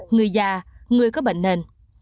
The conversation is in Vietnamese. người già người có bệnh nền